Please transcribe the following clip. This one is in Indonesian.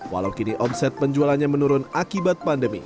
walau kini omset penjualannya menurun akibat pandemi